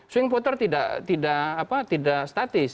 swing voter tidak tidak apa tidak statis